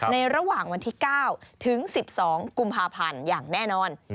ระหว่างวันที่๙ถึง๑๒กุมภาพันธ์อย่างแน่นอน